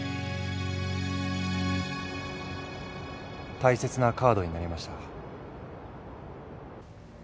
大切なカードになりました。